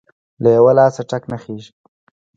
له يوه لاسه ټک نه خيږى.